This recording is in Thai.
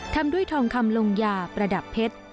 ทำด้วยทองคำลงยาประดับเพชร